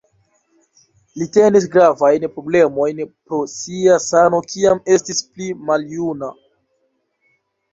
Li tenis gravajn problemojn pro sia sano kiam estis pli maljuna.